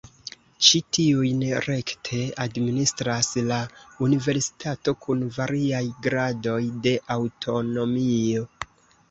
Ĉi tiujn rekte administras la universitato kun variaj gradoj de aŭtonomio.